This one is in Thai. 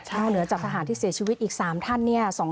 เช่าเหนือจับทหารที่เสียชีวิตอีก๓ท่าน